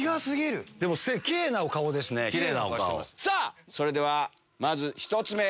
さぁそれではまず１つ目。